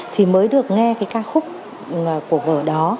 thì mới được nghe cái ca khúc của vở đó